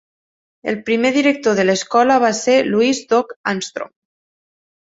El primer director de l'escola va ser Louis "Doc" Armstrong.